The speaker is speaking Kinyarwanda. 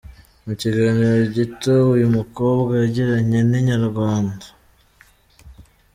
Mu kiganiro gito uyu mukobwa yagiranye na Inyarwanda.